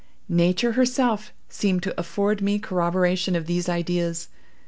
Nature herself seemed to afford me corroboration of these ideas.